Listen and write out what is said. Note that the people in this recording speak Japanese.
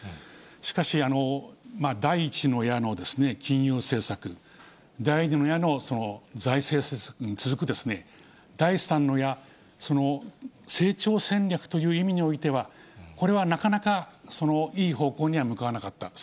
しかし、第１の矢の金融政策、第２の矢の財政政策に続く、第３の矢、その成長戦略という意味においては、これはなかなかいい方向には向かわなかった。